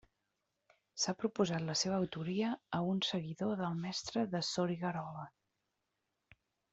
S'ha proposat la seva autoria a un seguidor del Mestre de Soriguerola.